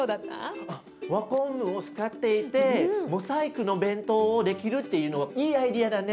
輪ゴムを使っていてモザイクの弁当をできるっていうのはいいアイデアだね。